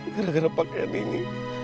gara gara pakaian ini